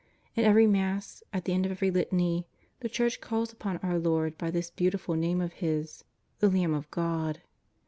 In every Mass, at the end of every litany, the Church calls upon our Lord by this beautiful name of His, " the Lamb of God."